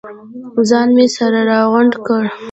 ځان مې سره راغونډ کړ.